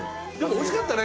おいしかったね